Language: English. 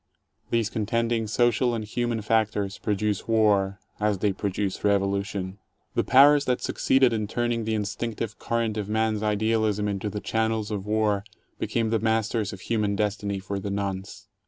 These contending social and human factors produce war, as they produce revolution. f^ The powers that succeeded in turning the instinctive current of man's idealism into the channels of war, became the masters of human destiny for the nonce.